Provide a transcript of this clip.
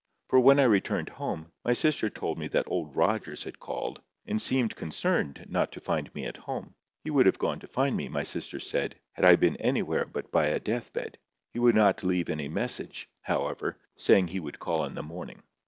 For when I returned home, my sister told me that Old Rogers had called, and seemed concerned not to find me at home. He would have gone to find me, my sister said, had I been anywhere but by a deathbed. He would not leave any message, however, saying he would call in the morning.